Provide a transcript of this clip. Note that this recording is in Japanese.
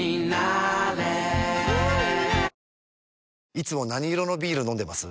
いつも何色のビール飲んでます？